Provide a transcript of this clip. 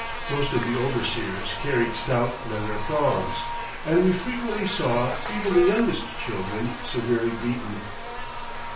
Most of the overseers carried stout leather thongs, and we frequently saw even the youngest children severely beaten."